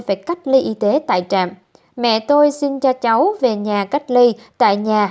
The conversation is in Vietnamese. phải cách ly y tế tại trạm mẹ tôi xin cho cháu về nhà cách ly tại nhà